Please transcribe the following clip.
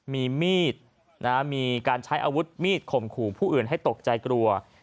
มีมีดมีการใช้อาวุธมีดข่มขู่ผู้อื่นให้ตกใจกลัว